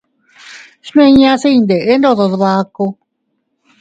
Smiñase iyndeʼe ndodo dbaku.